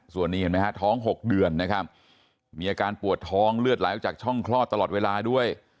ส่วนนี้เห็นไหมฮะท้อง๖เดือนนะครับมีอาการปวดท้องเลือดไหลออกจากช่องคลอดตลอดเวลาด้วย